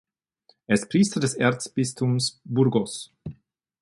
Er ist Priester des Erzbistums Burgos.